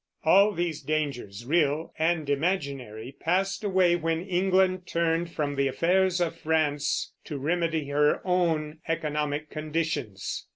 All these dangers, real and imaginary, passed away when England turned from the affairs of France to remedy her own economic conditions.